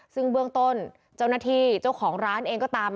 ซึ่งเบื้องต้นเจ้าหน้าที่เจ้าของร้านเองก็ตาม